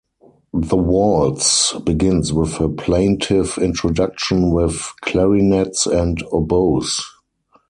The waltz begins with a plaintive Introduction with clarinets and oboes.